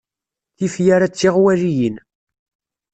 Tifyar-a d tiɣwaliyin.